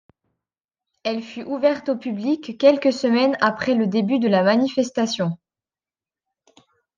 Elle fut ouverte au public quelques semaines après le début de la manifestation.